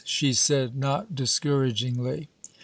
she said, not discouragingly.